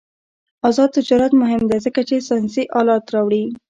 آزاد تجارت مهم دی ځکه چې ساینسي آلات راوړي.